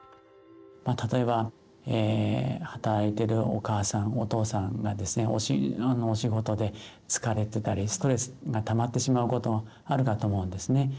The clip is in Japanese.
例えば働いてるお母さんお父さんがですねお仕事で疲れてたりストレスがたまってしまうことあるかと思うんですね。